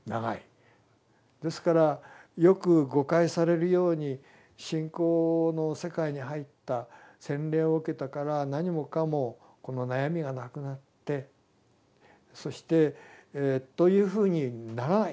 ですからよく誤解されるように信仰の世界に入った洗礼を受けたから何もかもこの悩みがなくなってそしてというふうにならない。